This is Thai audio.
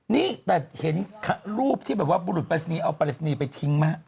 นี่แต่เห็นรูปที่แบบว่าบุรุษปรายศนีย์เอาปริศนีย์ไปทิ้งไหม